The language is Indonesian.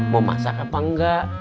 mau masak apa enggak